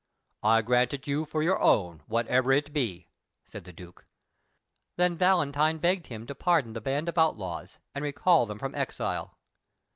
"I grant it you for your own, whatever it be," said the Duke. Then Valentine begged him to pardon the band of outlaws and recall them from exile.